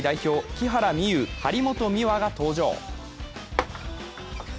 木原美悠・張本美和が登場。